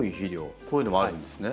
こういうのもあるんですね。